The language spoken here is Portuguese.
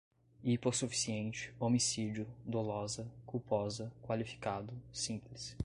hipossuficiente, homicídio, dolosa, culposa, qualificado, simples